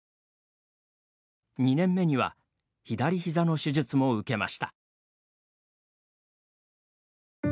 ２年目には左ひざの手術も受けました。